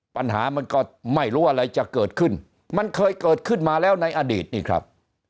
ปัญหามันก็ไม่รู้อะไรจะเกิดขึ้นมันเคยเกิดขึ้นมาแล้วในอดีตนี่ครับ